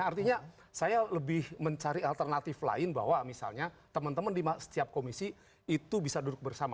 artinya saya lebih mencari alternatif lain bahwa misalnya teman teman di setiap komisi itu bisa duduk bersama